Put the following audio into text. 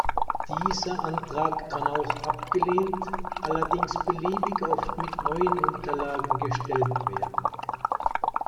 Dieser Antrag kann auch abgelehnt, allerdings beliebig oft mit neuen Unterlagen gestellt werden.